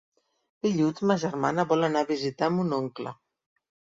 Dilluns ma germana vol anar a visitar mon oncle.